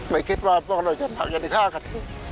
ไม่คิดว่าพวกเราจะภาคยันติฆากัน